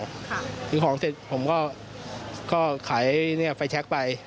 ค่ะซื้อของเสร็จผมก็ก็ขายเนี่ยไฟแช็คไป